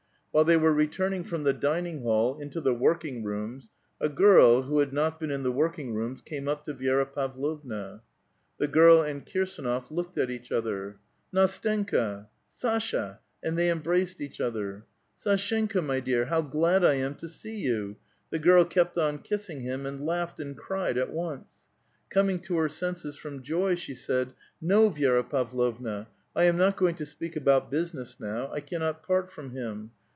While they were re turning from the dining hall into the working rooms, a girl, who had not been in the working rooms, came up to Vi6ra Pavlovna. The girl and Kirsdnof looked at each other. ''Ndstenka!" " Sasha !"* and they embraced eaoh other. *' SAshenka, my dear, how glud 1 tun to see ycu!" The girl kept on kissing him, and laughed and cried at once. Coming to her senses from joy, she said :'' No, Vi<3ra Pav lovna, I am not going to speak about business now ; I cannot part from him.